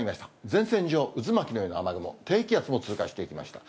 前線上、渦巻きのような雨雲、低気圧も通過していきました。